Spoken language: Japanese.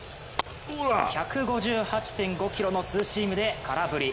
１５８．５キロのツーシームで空振り。